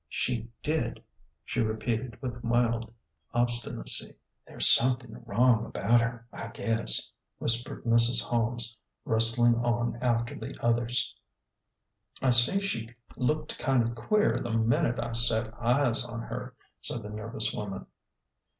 " She did," she repeated, with mild obstinacy. " There's somethin' wrong about her, I guess," whispered Mrs. Holmes, rustling on after the others. " I see she looked kind of queer the minute I set eyes on her," said the nervous woman.